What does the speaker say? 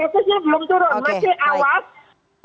kasusnya belum turun masih awas